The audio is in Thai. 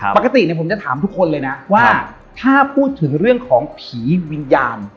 ปกติผมจะถามทุกคนเลยนะว่าถ้าพูดถึงเรื่องของผีวิญญาณ